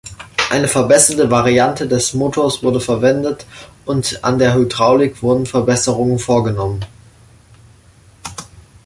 Eine verbesserte Variante des Motors wurde verwendet und an der Hydraulik wurden Verbesserungen vorgenommen.